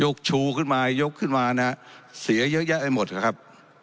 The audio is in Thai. ชูขึ้นมายกขึ้นมานะฮะเสียเยอะแยะไปหมดนะครับ